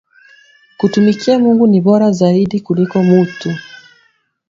Kutumikia Mungu ni bora zaidi kuliko mutu